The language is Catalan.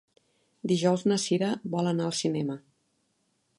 Dijous na Cira vol anar al cinema.